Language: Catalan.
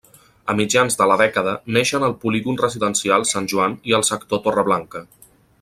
A mitjans de la dècada neixen el Polígon Residencial Sant Joan i el sector Torreblanca.